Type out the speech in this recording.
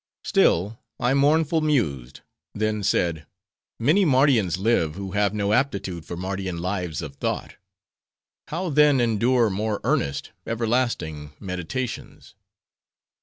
"Still, I mournful mused; then said:—'Many Mardians live, who have no aptitude for Mardian lives of thought: how then endure more earnest, everlasting, meditations?